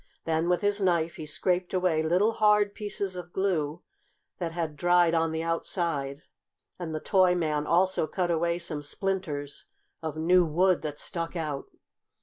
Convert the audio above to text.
Then with his knife he scraped away little hard pieces of glue that had dried on the outside, and the toy man also cut away some splinters of new wood that stuck out.